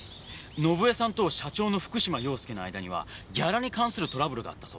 伸枝さんと社長の福島陽介の間にはギャラに関するトラブルがあったそうです。